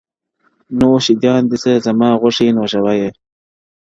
• نوش جان دي سه زما غوښي نوشوه یې -